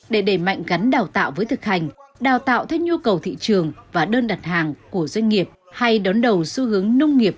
để đẩy mạnh gắn đào tạo với thực hành đào tạo theo nhu cầu thị trường và đơn đặt hàng của doanh nghiệp